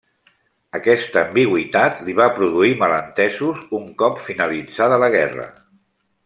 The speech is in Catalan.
Aquesta ambigüitat li va produir malentesos un cop finalitzada la guerra.